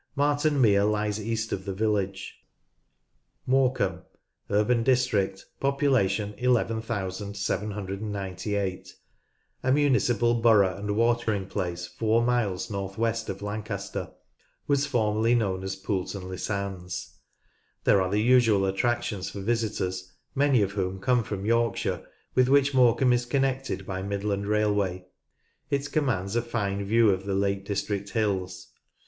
Marton Mere lies east of the village, (pp. 59, 61.) Morecambe, U.D. (11,798), a municipal borough and watering place tour miles north west of Lancaster, was former]} known as Poulton le Sands. There are the usual attractions for visitors, many of whom come from Yorkshire, with which More cambe is connected by Midland Railway. It commands a fine view of the Lake District hills.